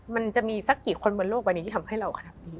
มันจะมีสักกี่คนบนโลกวันนี้ที่ทำให้เรา